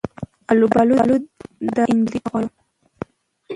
آلو بالو دا انجلۍ به غواړو